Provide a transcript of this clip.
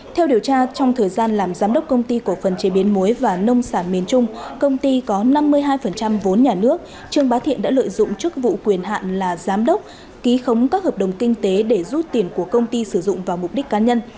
theo điều tra trong thời gian làm giám đốc công ty cổ phần chế biến muối và nông sản miền trung công ty có năm mươi hai vốn nhà nước trương bá thiện đã lợi dụng chức vụ quyền hạn là giám đốc ký khống các hợp đồng kinh tế để rút tiền của công ty sử dụng vào mục đích cá nhân